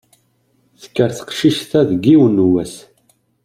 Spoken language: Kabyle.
Tekker teqcict-a deg yiwen n wass!